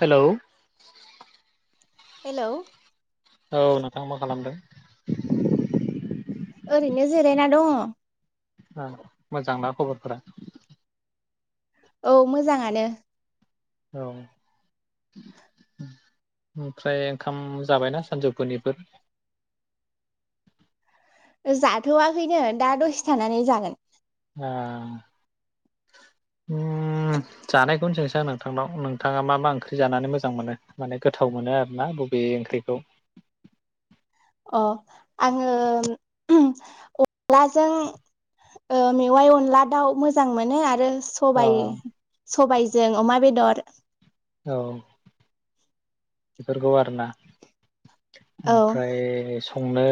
Hello hello औ नोंथां मा खालामदों ओरैनो जिरायना दङ आं मोजां ना खबरफोरा औ मोजाङानो औ ओमफ्राय ओंखाम जाबायना सानजौफुनिफोर जाथ'वाखैनो दा दसे थानानै जागोन आ उम जानायखौनो सोंसां नोंथांनाव नोंथाङा मा मा ओंख्रि जानानै मोजां मोनो माने गोथाव मोनो आरोना बबे ओंख्रिखौ अ आङो उहम अनलाजों ओ मेवाइ अनला दाउ मोजां मोनो आरो अ सबाय सबायजों अमा बेदद [inaudible] औ बेफोरखौ आरो ना? औ ओमफ्राय स संनो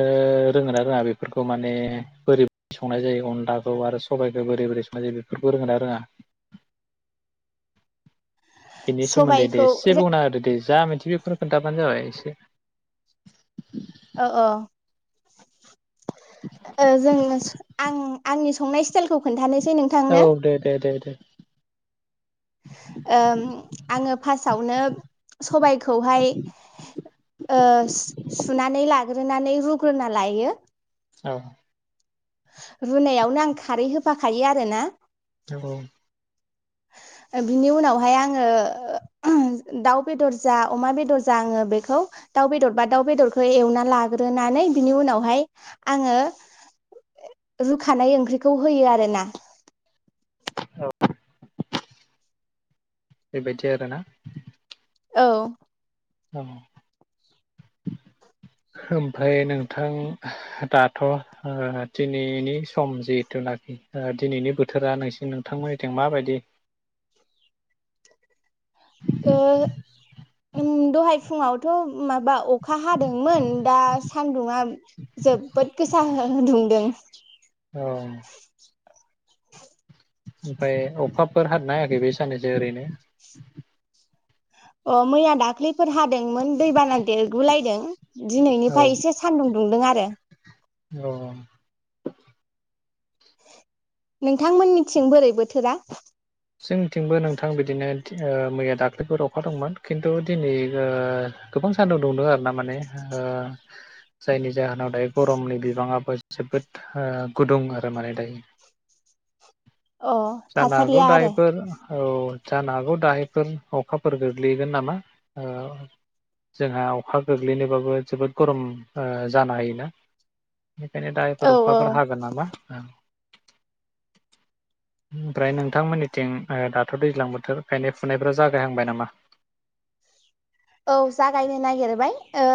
रोंङो ना रोङा बेफोरखौ माने बोरै संनाय जायो अनलाखौ आरो सबायाइखो बोरै बोरै संनाय जायो बेफोरखौ रोंङोना रोङा? बेनि सोमोन्दै दे सबायखौ एसे औ बुंना होदो दे जा मिथिगो बेखौनो खोन्थाबानो जाबाय? से औ अ ओ जों आं-आंनि संनाय स्ताइल खौ खोनथानो औ दे दे दे दे ओम आङो फार्स्टआवनो सबायखौहाय ग्रोनानै रुग्रोना लायो औ रुनायावनो आं खारै होफाखायो आरोना औ बिनि उनावहाय आङो दाउ बेदर जा अमा बेदर जा आङो बेखौ दाउ बेदर बा दाउ बेदरखो एवना लाग्रोनानै बिनि उनावहाय आङो रुखानाय ओंख्रिखौ होयो आरोना। औ बेबायदि आरोना? औ औ ओमफ्राय नोंथां दाथ' ओ दिनैनि सम जिहेथुनाखि दिनैनि बोथोरा नोंसि नोंथांमोननिथिं माबायदि? ओ उम दहाय फुङावथ' माबा अ खा हादोंमोन दा सानदुंङा जोबोद गोसा दुंदों। औ ओमफाय अखाफोर हादोंना हायाखै बे साननैसो ओरैनो? अ मैया दाख्लैफोर हा दोंमोन दै बाना देरगुलायदों। औ दिनैनिफाय एसे सानदुं दुंदों आरो [unintelligible] औ नोंथांमोननिथिं बोरै बोथोरा? जोंथिंबो नोंथां बिदिनो ओ मैया दाख्लैफोर अखा दंमोन खिन्थु दिनै ओ गोबां सानदुं दुंदों आरो ना माने ओ जायनि जाहोनाव दायो गरमनि बिबाङाबो जोबोद ओ गुदुं आरो माने दायो । अ थासारिया आरो? फोर औ जानो हागौ दाहायफोर अखाफोर गोग्लैगोन नामा? ओ जोंहा अखा गोग्लैनोबाबो जोबोद गरम ओ जानो हायोना? बेखायनो दायोफोर औ औ अखाफोर हागोन नामा? ओमफ्राय नोंथांमोननि थिं ओ दाथ' दैज्लां बोथोर गायनाय फुनायफ्रा जागायहांबाय नामा? औ जागायनो नागिरबाय ओ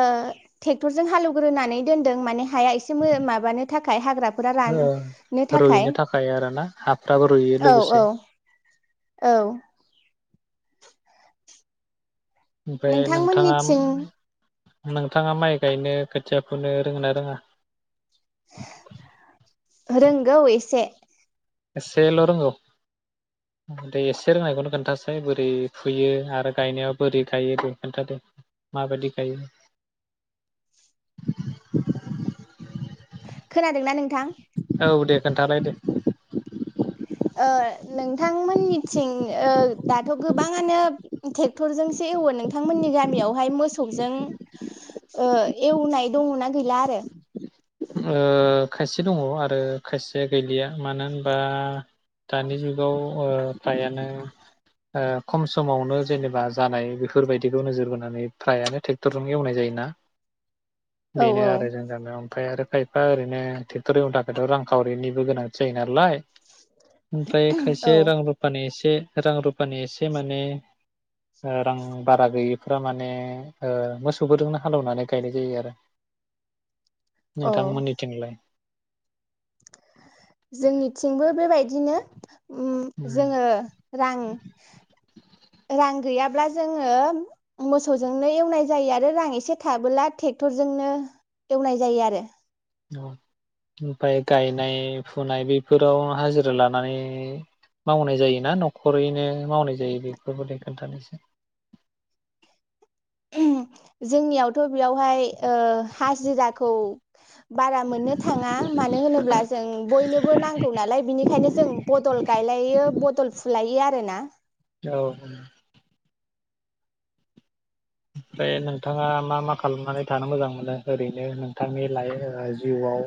ट्रेक्टरजों हालेवग्रोनानै दोनदों। माने हाया एसे माबानो थाखाय हाग्राफोरा ओ राननो थाखाय। रुइनो आरोना हाफ्राबो रुइयो औ लोगोसे औ औ ओमफ्राय नोंथाङा नोंथांमोननिथिं नोंथाङा माइ गायनो खोथिया फुनो रोङोना रोङा? रोंगौ एसे। एसेल' रोंगौ दे एसे रोंनायखौनो खोन्थासाय बोरै फुयो आरो गायनायाव बोरै गायो दे खोन्थादे माबायदि गायो? खोनादोंना नोंथां? औ दे खोन्थालाय दे। ओ नोंथांमोननिथिं ओ दाथ' गोबाङानो ट्रेक्टरजोंसो एवो नोंथांमोननि गामियावहाय मोसौजों एवनाय दङनाा गैला आरो। खायसे दङ आरो खायसेया गैलिया मानो होनबा दानि जुगाव फ्रायानो खम समावनो जेनेबा जानाय बेफोरबायदिखौ नोजोर बोनानै फ्रायानो ट्रेक्टरजों एवनाय जायोना। औ बेनो औ आरो जोंनि गामियाव। ओमफ्राय आरो खाय एफा ओरैनो ट्रेक्टर एवनो थाखायथ' रांखावरिनिबो गोनांथि जायो नालाय। ओमफ्राय औ खायसे रां रुफानि एसे एसे रां रुफानि एसे माने रां बारा गैयिफ्रा माने मोसौफोरजोंनो हालेवनानै गायनाय जायो आरो। औ नोंथांमोननिथिंलाय? जोंनिथिंबो बेबायदिनो। जोङो उम रां रां गैयाब्ला जोङो मोसौजोंनो एवनाय जायो आरो रां एसे थाबोला ट्रेक्टरजोंनो एवनाय जायो आरो। ओमफाय गायनाय फुनाय बेफोराव हाजिरा लानानै मावनाय जायोना न'खरैनो मावनाय जायो बेफोरबायदि खोन्थादोसाय। जोंनियावथ बेयावहाय हाजिराखौ बारा मोननो थाङा मानो होनोब्ला जों बयनोबो नांगौ नालाय बिनिखायनो जों बदल गायलायो। बदलफुलायो आरो ना। औ। ओमफ्राय नोंथाङा मा मा खालामनानै थानो मोजां मोनो ओरैनो नोंथांनि लाइ जिउआव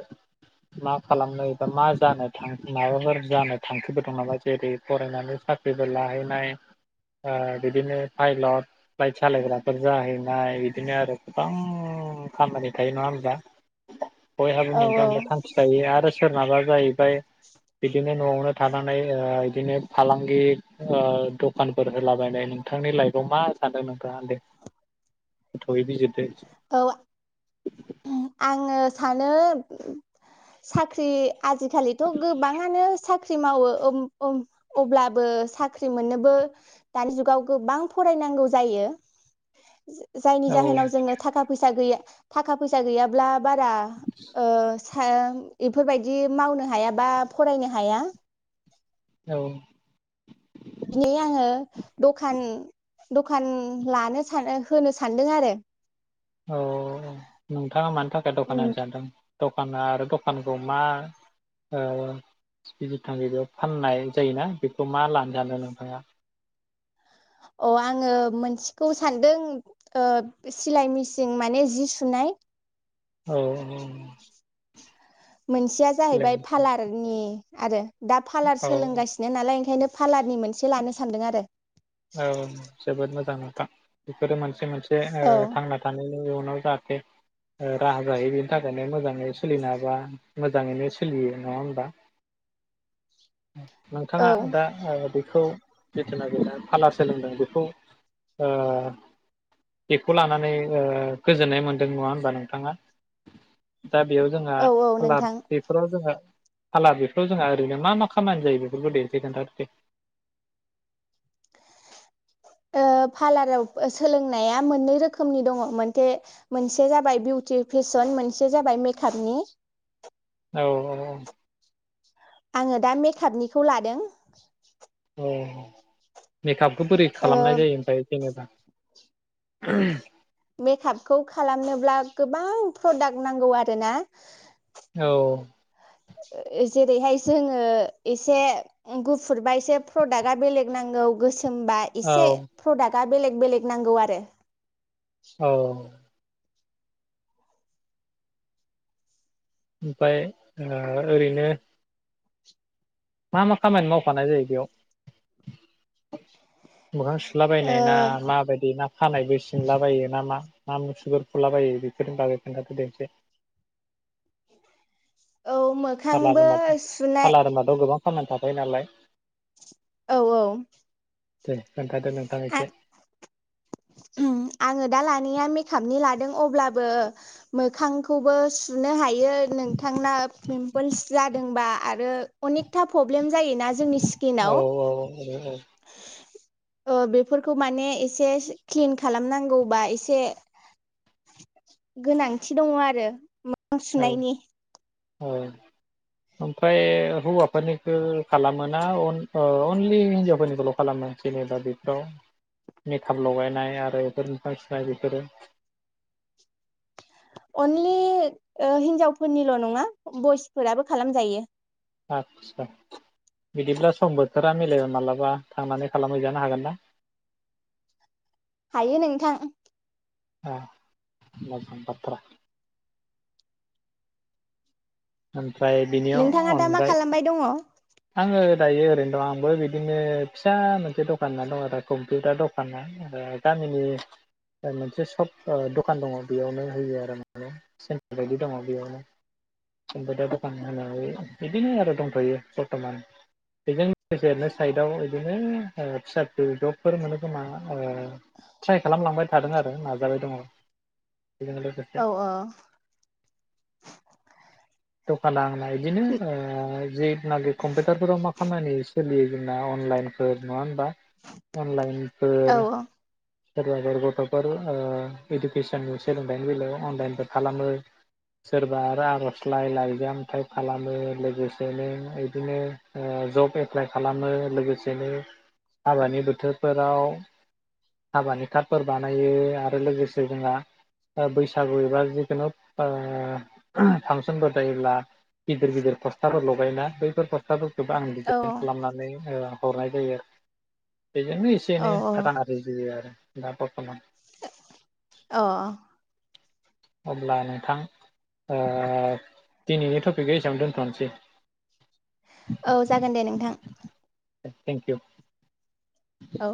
मा खालामनो बा मा जानोां माबाफोर जानो थांखिफोर दं नामा जेरै फरायनानै साख्रिफोर लाहैनाय बिदिनो पाइलट फ्लाइट सालायग्रा बुर जाहैनाय बिदिनो आरो गोबां खामानि थायो नङा होमबा। बयहाबो औ मोनबा औ होना थांखि थायो आरो सोरनाबा जाहैबाय बिदिनो न'आवनो थानानै बिदिनो फालांगि दखानफोर होलाबायनाय नोंथांनि लाइफआव मा सानदों नोंथाङा दे। गोथौयै बिजिरदो। एसे। औ आ आङो सानो साख्रि आजिखालिथ' गोबाङानो सा साख्रि मावो ओ ओ अब्लाबो साख्रि मोननोबो दानि जुगाव गोबां फरायनांगौ जायो। जायनि औ जाहोनाव जोङो थाखा फैसा गैया थाखा फैसा गैयाब्ला बारा ओ बेफोरबायदि मावनो हाया बा फरायनो हाया। औ। दिनै आङो दखान दखान लानो सानो होनो सानदों आरो। औ नोंथाङा मानि थाखाय दखान होनो सानदों? दखाना आरो दखानखौ मा ओ [unintelligible] फाननाय जायोना बेखौ मा लानो सानो नोंथाङा? अ आङो मोनसेखौ सानदों ओ सिलाय मेसिन माने जि सुनाय औ औ। मोनसेया जाहैबाय पालारनि आरो दा पालार औ सोलोंगासिनो नालाय ओंखायनो फालारनि मोनसे लानो सानदों आरो। औ जोबोद मोजां खा बेफोरो मोनसे मोनसे बे औ ओ थांना थानाय इयुनाव जाहाथे राहा जायो बेनि थाखायनो मोजाङै सोलिनो हाबा मोजाङैनो सोलियो नङा होमबा? औ नोंथाङा दा ओ बेखौ बेखौ [unintelligible] फालार सोलोंदों बेखौ ओ बेखौ लानानै ओ गोजोननाय मोनदों नङा होनबा नोंथाङा? दा बेयाव जोंहा औ औ फालार नोंथां बेफोराव जोंहा फालार बेफ्राव जोंहा ओरैनो मा मा खामानि जायो बेफोरखौ दे इसे खोनथादो दे। ओ फालाराव सोलोंनाया मोननै रोखोमनि दङ' मोन-मोनसे जाबाय बिउटि फेशन मोनसे जाबाय मेकापनि। औ औ औ। आङो दा मेकापनिखौ लादों । औ। मेकापखौ बोरै ओ खालामनाय जायो ओमफ्राय जेनेबा [unintelligible] मेकापखौ खालामनोब्ला गोबां प्रडाक्ट नांगौ आरो ना औ। जेरैहाय जोङो एसे गुफुरबा एसे प्रदाक्टआ बेलेग नांगौ गोसो सोमबा औ एसे प्रदाकआ बेलेग बेलेग नांगौ आरो। औ। ओमफ्राय ओ ओरैनो मा मा खामानि मावफानाय जायो बेयाव मोखां ओ सुलाबायनाय ना माबायदि ना खानायबो सिनला बायो ना मा? ना मुसुगुर फुलाबायो बेफोरनि बागै खोनथा दे इसे। औ मोखांबो सुनाय पार्लार होनबाथ' गोबां खामानि थाखायो नालाय। औ औ दे खोन्थादो नोंथां आ एसे आङो दा लानाया मेकापनि लादों अब्लाबो मोखांखौबो सुनो हायो नोंथांना पिमपोल्स जादोंबा आरो अनेकथा प्रब्लेम जायोना जोंनि औ सिखिनाव औ ओ बेफोरखौ माने एसे क्लिन खालामनांगौबा एसे गोनांथि दङ आरो ओ औ सुनायनि औ ओमफ्राय हौवाफोरनिखो खालामोना अन ओ अनलि हिनजावफोरनिखौल' खालामो जेनेबा बेफोराव मेकाप लगायनाय आरो बेफोर मोखां सुनाय बेफोरो? अनलि ओ हिनजावफोरनिल' नङा बयसफोराबो खालामजायो । आतसा बिदिब्ला सम बोथोरा मिलाय माब्लाबा थांनानै खालामहैजानो हागोन ना? हायो नोंथां। ए मोजां बाथ्रा। ओं। नोंथाङा दा मा खालामबाय दङ? आङो दायो ओरैनो दं आंबो बिदिनो फिसा मोनसे दखाना दं आरो कम्पिउटार दखाना गामिनि मोनसे सप दखान दङ बेयावनो होयो आरो माने सेन्टार बायदि दङ बेयावनो । कम्पिउटार दखान होनानै बिदिनो आरो दंथ'यो बरथ'मान बेजों लोगोसे रैनो साइदआव बिदिनो फिसा फिस जबफोर मोनो खोमा ट्राइ खालामलांबाय थादों आरो नाजाबाय दङ। बेजों लोगोसे औ द'खाना बायदिनो ओ जेनागे कम्पिउटार फोराव मा खामानि सोलियो जोंना अनलाइनफोर नङा होनबा अनलाइन औ फोर सोरबाफोर गथ'फोर ओ इडुकेसननि सोलोंथाइनि बेलायाव अनलाइनफोर खालामो सोरबा रां अनसुं लाय लाइजाम टाइप खालामो लोगोसेनो बिदिनो ओ जब एप्लाइ खालामो लोगोसेनो हाबानि बोथोरफोराव हाबानि कार्डफोर बानायो आरो लोगोसे जोंहा बैसागु एबा जिखुनु ओह फांसनफोर जायोब्ला गिदिर गिदिर पस्थाफोर लगायना बैफोर पस्थाफोर गोबां औ डिजाइन खालामनानै ओ हरनाय जायो। बेजोंनो एसे औ एनै रां आरजियो आरो। दा बरथ'मान अह । अब्ला नोंथां ओ दिनैनि टपिकख एसेवनो दोन्थ'नोसै। औ जागोन दे नोंथां । Thank you. औ।